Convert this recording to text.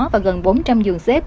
và gần bốn trăm linh giường xếp